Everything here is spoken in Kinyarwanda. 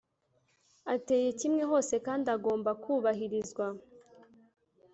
ateye kimwe hose kandi agomba kubahirizwa